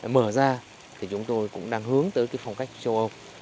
mở ra thì chúng tôi cũng đang hướng tới phong cách châu âu